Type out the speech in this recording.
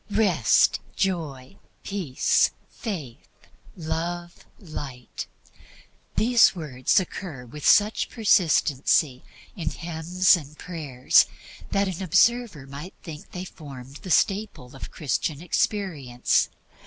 Rest, Joy, Peace, Faith, Love, Light these words occur with such persistency in hymns and prayers that an observer might think they formed the staple of Christian experience.